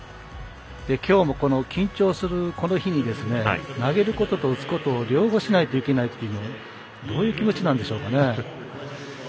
今日も、この緊張する日に投げることと打つことを両方しなければいけないのはどういう気持ちでしょうね。